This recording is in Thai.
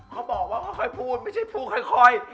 เขาบอกว่าค่อยปูนไม่ใช่ภูค่อย